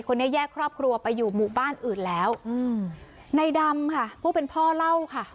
คนนี้แยกครอบครัวไปอยู่หมู่บ้านอื่นแล้วอืมในดำค่ะผู้เป็นพ่อเล่าค่ะ